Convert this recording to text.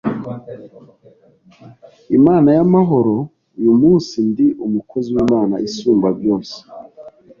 Imana y’amahoro, uyu munsi ndi umukozi w’Imana isumba byose